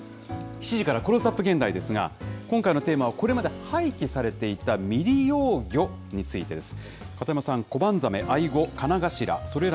７時からクローズアップ現代ですが、今回のテーマはこれまで廃棄されていた未利用魚についてです。